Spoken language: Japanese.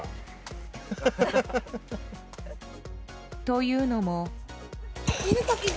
というのも。